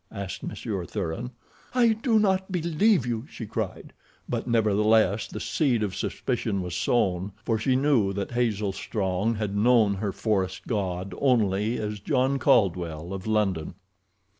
asked Monsieur Thuran. "I do not believe you," she cried, but nevertheless the seed of suspicion was sown, for she knew that Hazel Strong had known her forest god only as John Caldwell, of London.